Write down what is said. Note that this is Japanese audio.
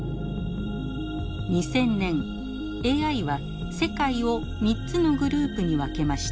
２０００年ＡＩは世界を３つのグループに分けました。